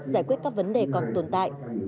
giải quyết các vấn đề còn tồn tại